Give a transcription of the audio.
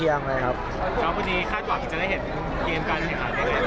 อย่างไรบ้างครับ